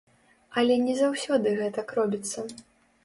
Але не заўсёды гэтак робіцца.